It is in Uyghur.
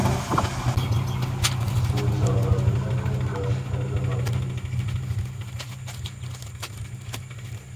ئۇ چاغدا مېنىڭمۇ ياش تەلۋە ۋاقتىم.